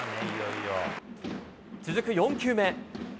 続く４球目。